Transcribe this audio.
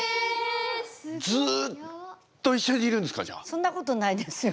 そんなことないですよ。